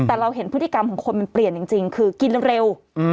แต่เราเห็นพฤติกรรมของคนมันเปลี่ยนจริงคือกินเร็ว